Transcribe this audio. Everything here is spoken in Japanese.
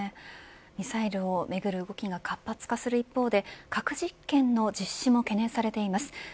ミサイルをめぐる動きが活発化する一方で核実験の実施も懸念されています。